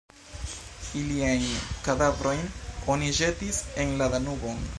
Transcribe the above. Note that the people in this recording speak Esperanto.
Iliajn kadavrojn oni ĵetis en la Danubon.